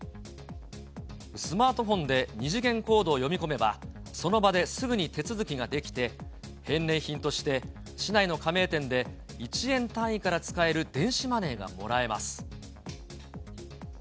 スマートフォンで二次元コードを読み込めば、その場ですぐに手続きができて、返礼品として市内の加盟店で１円単位から使える電子マネーがもらえます。